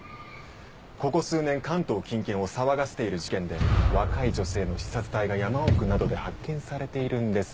ここ数年関東近県を騒がしている事件で若い女性の刺殺体が山奥などで発見されているんです